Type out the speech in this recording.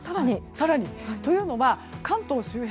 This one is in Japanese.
というのは、関東周辺